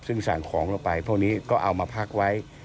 ซึ่งสั่งของเราไปพวกนี้ก็เอามาพักไว้